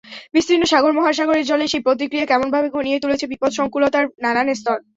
বিস্তীর্ণ সাগর-মহাসাগরের জলে সেই প্রতিক্রিয়া কেমনভাবে ঘনিয়ে তুলেছে বিপদসংকুলতার নানান স্তর।